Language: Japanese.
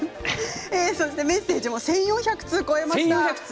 メッセージも１４００通を超えました。